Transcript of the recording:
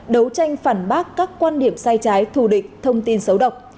đấu tranh phản bác các quan điểm sai trái thù địch thông tin xấu độc